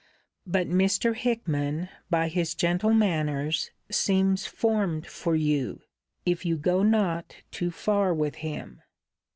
But Mr. Hickman, by his gentle manners, seems formed for you, if you go not too far with him.